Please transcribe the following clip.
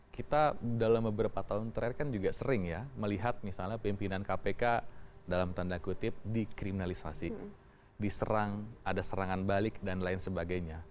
kita dalam beberapa tahun terakhir kan juga sering ya melihat misalnya pimpinan kpk dalam tanda kutip dikriminalisasi diserang ada serangan balik dan lain sebagainya